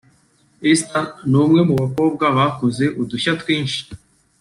Esther ni umwe mu bakobwa bakoze udushya twinshi